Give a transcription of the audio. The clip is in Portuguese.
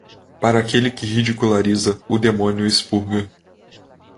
Para aquele que ridiculariza, o demônio expurga.